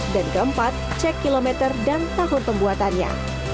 dan keempat cek kilometer dan tahun pembuatannya